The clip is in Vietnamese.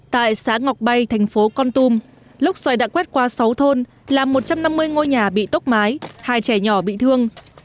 tại xã ngọc bay thành phố con tum lúc xoài đã quét qua sáu thôn làm một trăm năm mươi ngôi nhà bị tốc mái hai trẻ nhỏ bị thương